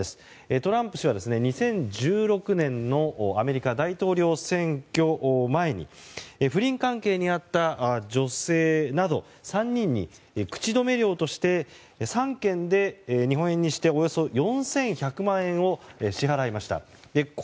トランプ氏は、２０１６年のアメリカ大統領選挙前に不倫関係にあった女性など３人に口止め料として３件で日本円にしておよそ４１００万円を支払いました。